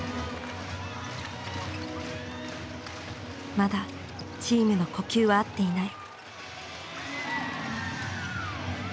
まだチームの呼吸は合っていない。